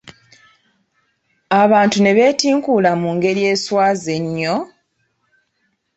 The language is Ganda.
Abantu ne bentinkuula mu ngeri eswaza ennyo!